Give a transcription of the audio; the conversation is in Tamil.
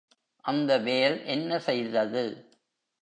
அந்த வேல் என்ன செய்தது?